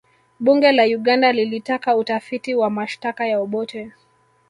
bunge la uganda lilitaka utafiti wa mashtaka ya obote